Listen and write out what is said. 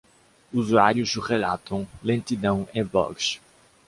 Usuários relatam lentidão e bugs